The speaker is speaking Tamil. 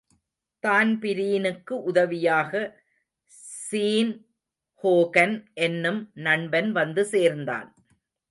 தான்பிரீனுக்கு உதவியாக ஸீன் ஹோகன் என்னும் நண்பன் வந்து சேர்ந்தான்.